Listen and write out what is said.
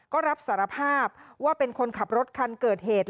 ก็รับสารภาพว่าเป็นคนขับรถคันเกิดเหตุ